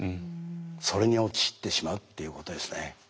それに陥ってしまうっていうことですね。